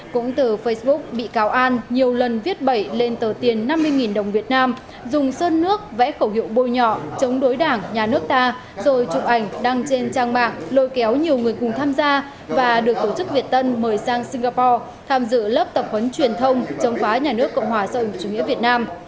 cũng từ facebook bị cáo an nhiều lần viết bẩy lên tờ tiền năm mươi đồng việt nam dùng sơn nước vẽ khẩu hiệu bôi nhọ chống đối đảng nhà nước ta rồi chụp ảnh đăng trên trang mạng lôi kéo nhiều người cùng tham gia và được tổ chức việt tân mời sang singapore tham dự lớp tập huấn truyền thông chống phá nhà nước cộng hòa sau chủ nghĩa việt nam